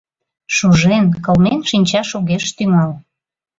Шужен, кылмен шинчаш огеш тӱҥал.